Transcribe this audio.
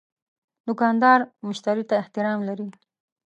دوکاندار مشتری ته احترام لري.